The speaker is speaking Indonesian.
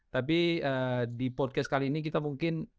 tapi di podcast kali ini kita mungkin